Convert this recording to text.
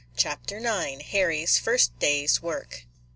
CHAPTER IX. HARRY'S FIRST DAY'S WORK.